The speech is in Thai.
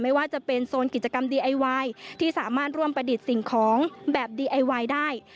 ไม่ว่าจะเป็นโซนกิจกรรมดีไอวายที่สามารถร่วมประดิษฐ์สิ่งของแบบดีไอวายได้